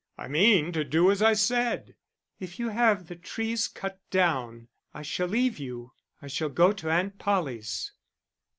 "I mean to do as I said." "If you have the trees cut down, I shall leave you; I shall go to Aunt Polly's."